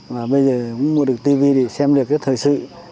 và bây giờ cũng mua được tv để xem được cái thời sự